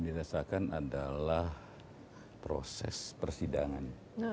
dirasakan adalah proses persidangan